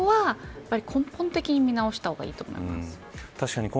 そこは、根本的に見直した方がいいと思います。